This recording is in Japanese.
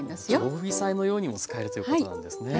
常備菜のようにも使えるということなんですね。